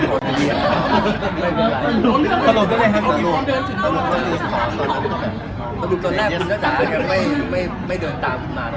เหมือนกัน